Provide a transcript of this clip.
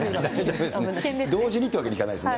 同時にってわけにはいかないですね。